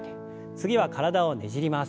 次は体をねじります。